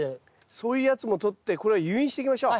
そういうやつもとってこれを誘引していきましょう。